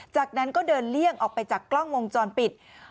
จากนั้นก็เดินเลี่ยงออกไปจากกล้องวงจรปิด